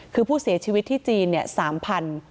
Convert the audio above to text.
คือผู้เสียชีวิตที่จีน๓๒๔๘ศพ